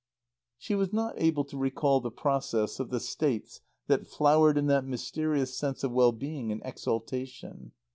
She was not able to recall the process of the states that flowered in that mysterious sense of well being and exaltation.